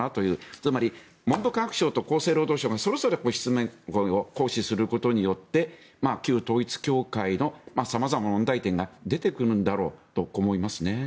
つまり文部科学省と厚生労働省がそれぞれ質問権を行使することによって旧統一教会の様々な問題点が出てくるんだろうと思いますね。